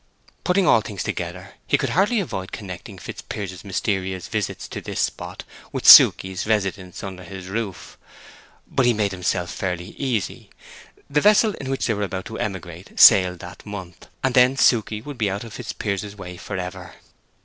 Putting all things together, he could hardly avoid connecting Fitzpiers's mysterious visits to this spot with Suke's residence under his roof. But he made himself fairly easy: the vessel in which they were about to emigrate sailed that month; and then Suke would be out of Fitzpiers's way forever.